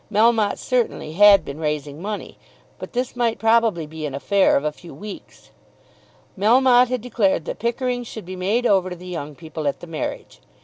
Melmotte certainly had been raising money. But this might probably be an affair of a few weeks. Melmotte had declared that Pickering should be made over to the young people at the marriage.